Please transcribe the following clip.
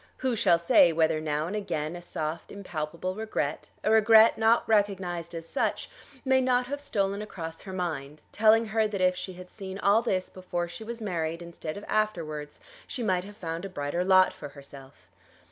Who shall say whether now and again a soft impalpable regret, a regret not recognised as such, may not have stolen across her mind, telling her that if she had seen all this before she was married instead of afterwards, she might have found a brighter lot for herself?